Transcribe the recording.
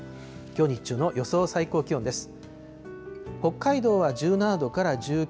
きょう日中の予想最高気温です。